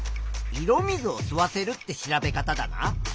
色水を吸わせるって調べ方だな。